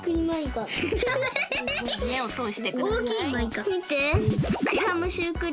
めをとおしてください。